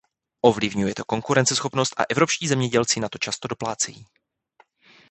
Ovlivňuje to konkurenceschopnost a evropští zemědělci na to často doplácejí.